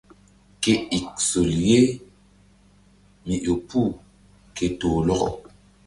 Ke ik sol ye mi ƴo puh ke toh lɔkɔ.